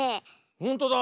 ほんとだ。